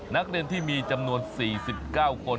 นักเรียนที่มีจำนวน๔๙คน